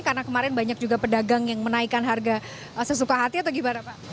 karena kemarin banyak juga pedagang yang menaikkan harga sesuka hati atau gimana pak